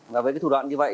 và với thủ đoạn như vậy